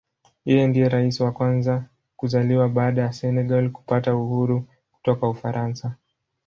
Yeye ndiye Rais wa kwanza kuzaliwa baada ya Senegal kupata uhuru kutoka Ufaransa.